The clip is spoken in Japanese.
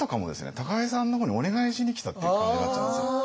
高井さんの方にお願いしに来たっていう感じになっちゃうんですよ。